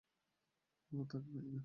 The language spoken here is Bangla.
ওহ, থাকবেই না।